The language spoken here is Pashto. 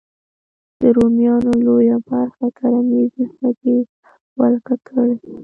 د رومیانو لویه برخه کرنیزې ځمکې ولکه کړې.